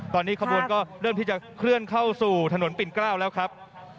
ตอนนี้ขบวนก็เริ่มที่จะเคลื่อนเข้าสู่ถนนปิ่นเกล้าแล้วครับ